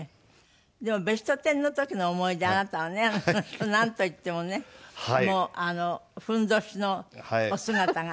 でも『ベストテン』の時の思い出あなたはねなんといってもねふんどしのお姿が忘れられない。